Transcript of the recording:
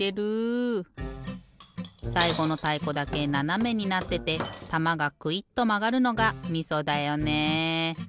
さいごのたいこだけななめになっててたまがくいっとまがるのがみそだよね。